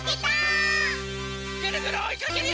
ぐるぐるおいかけるよ！